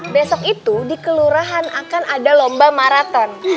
besok itu di kelurahan akan ada lomba maraton